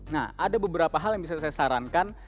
nah ada beberapa hal yang bisa saya sarankan